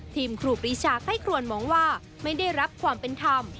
ทีมครูบรีชาใกล้ควรหมองว่าไม่ได้รับความเป็นธรรม